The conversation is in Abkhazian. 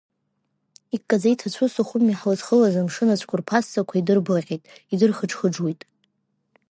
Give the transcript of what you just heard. Иккаӡа иҭацәу Сухуми ҳлызхылаз амшын ацәқәырԥа ссақәа идырблаҟьеит, идырхыџхыџуеит.